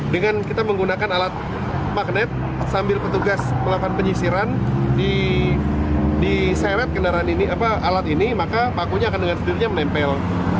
dengan kita menggunakan alat magnet sambil petugas melakukan penyisiran diseret alat ini maka pakunya akan dengan sendirinya menempel